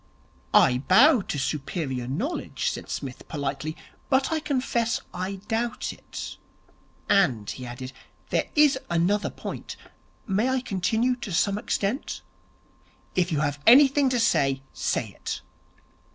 'I bow to superior knowledge,' said Psmith politely, 'but I confess I doubt it. And,' he added, 'there is another point. May I continue to some extent?' 'If you have anything to say, say it.'